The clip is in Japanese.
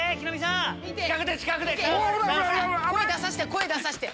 声出させて！